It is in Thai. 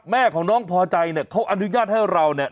แม่ของน้องพอใจเนี่ยเขาอนุญาตให้เราเนี่ย